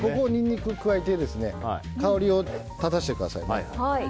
ニンニクを加えて香りを立たせてください。